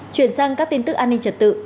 chuyển sang các tin tức an ninh trật tự